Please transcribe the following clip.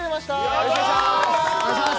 よろしくお願いします